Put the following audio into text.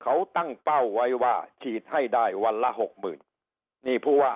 เขาตั้งเป้าไว้ว่าฉีดให้ได้วันละหกหมื่นนี่ผู้ว่า